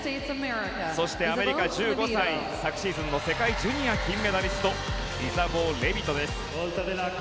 そしてアメリカ１５歳昨シーズンの世界ジュニア金メダリストイザボー・レビトです。